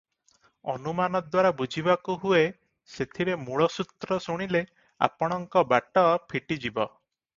ଅନୁମାନ ଦ୍ୱାରା ବୁଝିବାକୁ ହୁଏ ସେଥିର ମୂଳସୂତ୍ର ଶୁଣିଲେ ଆପଣଙ୍କ ବାଟ ଫିଟିଯିବ ।